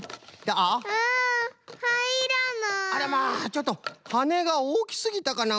ちょっとはねがおおきすぎたかな？